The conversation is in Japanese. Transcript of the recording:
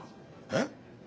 えっ！？